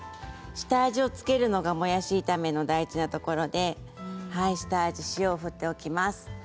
下味を付けるのがもやし炒めの大事なところで下味に塩を振っておきます。